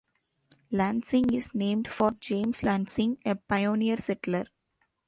Lansing is named for James Lansing, a pioneer settler.